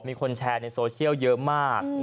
มีคนแชร์ในโซเชียลเยอะมาก